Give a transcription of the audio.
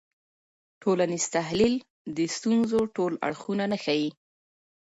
ټولنیز تحلیل د ستونزو ټول اړخونه نه ښيي.